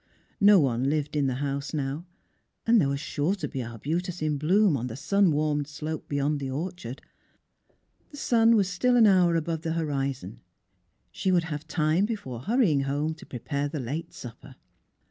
No one lived in the house now, and there was sure to be arbutus in bloom on the sun warmed slope beyond the orchard. The sun was still an hour above the horizon; she would APEILING 19 have time, before hurrying home to prepare the late supper.